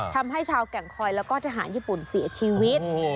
ทำให้ชาวแก่งคอยแล้วก็ทหารญี่ปุ่นเสียชีวิต